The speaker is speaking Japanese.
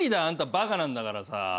あんたバカなんだから。